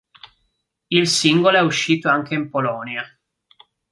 Il singolo è uscito anche in Polonia.